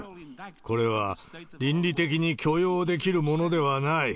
これは倫理的に許容できるものではない。